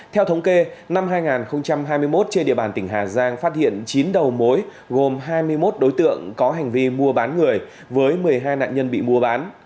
theo thống kê năm hai nghìn hai mươi một trên địa bàn tỉnh hà giang phát hiện chín đầu mối gồm hai mươi một đối tượng có hành vi mua bán người với một mươi hai nạn nhân bị mua bán